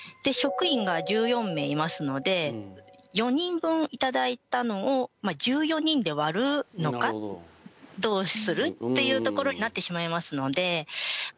職員が１４名いますので４人分いただいたのを１４人で割るのかどうする？っていうところになってしまいますので。